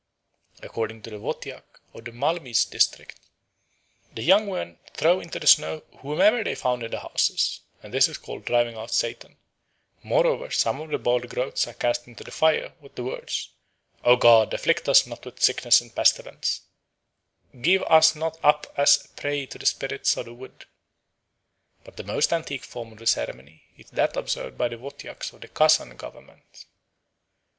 According to a Wotyak of the Malmyz district the young men throw into the snow whomever they find in the houses, and this is called "driving out Satan"; moreover, some of the boiled groats are cast into the fire with the words, "O god, afflict us not with sickness and pestilence, give us not up as a prey to the spirits of the wood." But the most antique form of the ceremony is that observed by the Wotyaks of the Kasan Government.